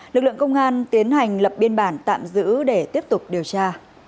lực lượng công an tiến hành lập biên bản tạm giữ để tiếp tục điều tra